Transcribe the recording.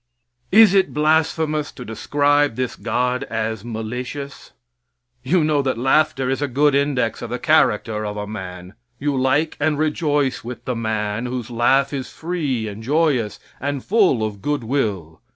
Is it blasphemous to describe this God as malicious? You know that laughter is a good index of the character of a man. You like and rejoice with the man whose laugh is free and joyous and full of good will.